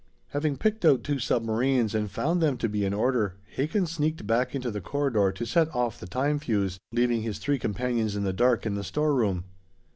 Having picked out two submarines and found them to be in order, Hakin sneaked back into the corridor to set off the time fuse, leaving his three companions in the dark in the storeroom.